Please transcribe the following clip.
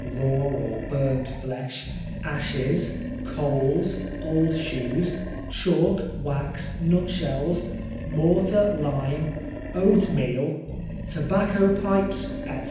raw or burnt flesh, ashes, coals, old shoes, chalk, wax, nutshells, mortar, lime, oatmeal, tobacco pipes, etc.